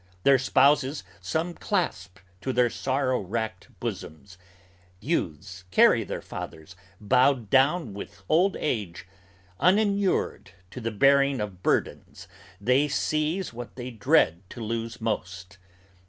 Their spouses Some clasp to their sorrow wracked bosoms! Youths carry their fathers Bowed down with old age, uninured to the bearing of burdens. They seize what they dread to lose most.